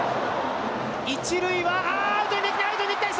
１塁はアウトにできない！